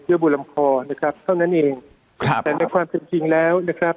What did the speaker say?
บนลำคอนะครับเท่านั้นเองครับแต่ในความเป็นจริงแล้วนะครับ